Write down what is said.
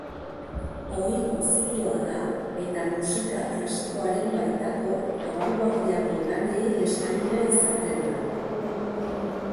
Ohiko zikloa da eta musika klasikoaren baitako abangoardiako lanei eskainia izaten da.